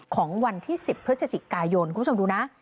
ของวันที่๑๐พฤศจิกายนคุณผู้ชมดูนะ